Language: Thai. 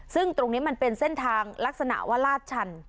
ซึ่งตรงนี้มันเป็นเส้นทางลักษณะว่าลาดชัน